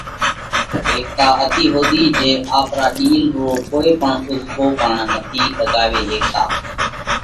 ھيڪتا اتي ۿُوڌِي جي آپرا ڏِيل رو ڪوئي اُزڀو پڻ نٿِي ڏڳاوي ھيڪتا.